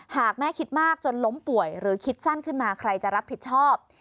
หากแม่คิดมากจนล้มป่วยหรือคิดสั้นขึ้นมาใครจะรับผิดชอบ